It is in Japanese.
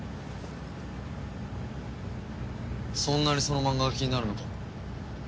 そんなにそのマンガが気になるのか？